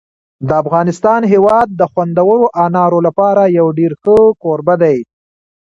د افغانستان هېواد د خوندورو انارو لپاره یو ډېر ښه کوربه دی.